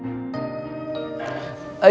terima kasih tante